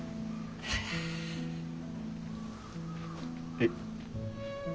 えっ。